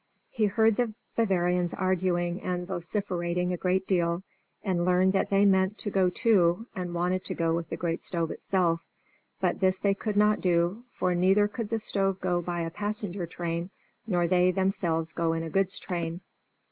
He heard the Bavarians arguing and vociferating a great deal, and learned that they meant to go too and wanted to go with the great stove itself. But this they could not do, for neither could the stove go by a passenger train nor they themselves go in a goods train.